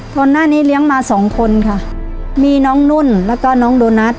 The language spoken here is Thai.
ก่อนหน้านี้เลี้ยงมาสองคนค่ะมีน้องนุ่นแล้วก็น้องโดนัท